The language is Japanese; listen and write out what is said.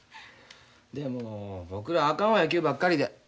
でも僕らはあかんわ野球ばっかりで。